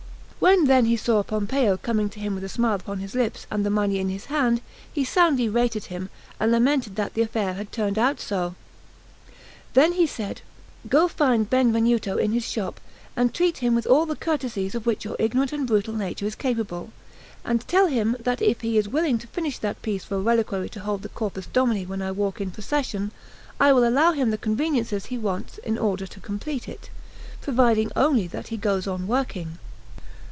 When then he saw Pompeo coming to him with a smile upon his lips and the money in his hand, he soundly rated him, and lamented that the affair had turned out so. Then he said: "Go find Benvenuto in his shop, and treat him with all the courtesies of which your ignorant and brutal nature is capable, and tell him that if he is willing to finish that piece for a reliquary to hold the Corpus Domini when I walk in procession, I will allow him the conveniences he wants in order to complete it; provided only that he goes on working."